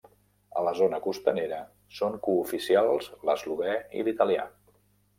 A la zona costanera són cooficials l'eslovè i l'italià.